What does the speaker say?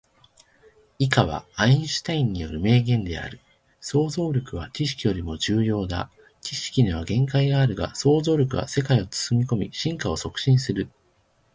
以下はアインシュタインによる名言である。「想像力は知識よりも重要だ。知識には限界があるが、想像力は世界を包み込み、進化を促進し、人生の源泉であり、真の進歩の鍵を握っている。想像力を持つことで、我々は未知の可能性を追求し、既存のものを超えて未来を創造することができる」